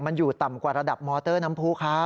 มันอยู่ต่ำกว่าระดับมอเตอร์น้ำภูเขา